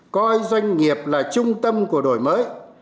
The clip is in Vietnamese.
coi doanh nghiệp là trung tâm của đổi mới